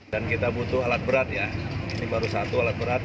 dan kita butuh alat berat ya ini baru satu alat berat